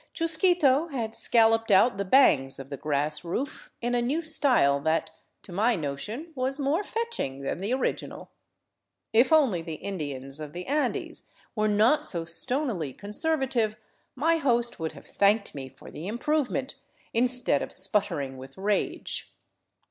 Chusquito had scalloped out the bangs of the grass roof in a new style that, to my notion, was more fetching than the original. If only the Indians of the Andes were not so stonily conservative, my host would have thanked me for the improvement, instead of sputtering with rage.